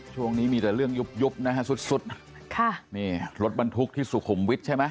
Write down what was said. ช่วงนี้มีแต่เรื่องยุบยุบนะฮะสุดสุดค่ะนี่รถบรรทุกที่สุขุมวิทย์ใช่ไหม